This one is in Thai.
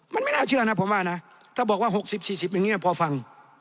มันไม่น่าเชื่อนะผมว่านะถ้าบอกว่า๖๐๔๐อย่างนี้พอฟัง